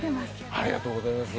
ありがとうございます。